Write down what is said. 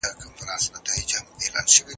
ایا د مغز د پیاوړتیا لپاره د زیتون غوړي ګټور دي؟